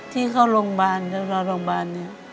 ถ้าเข้าโรงพยาบาล